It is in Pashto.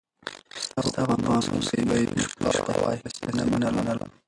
ستا په پانوس کي به مي شپه وای، نصیب نه منلم